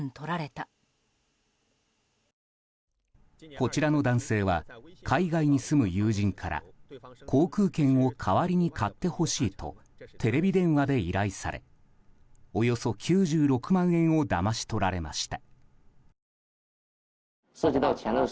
こちらの男性は海外に住む友人から航空券を代わりに買ってほしいとテレビ電話で依頼されおよそ９６万円をだまし取られました。